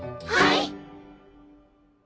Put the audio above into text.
はい。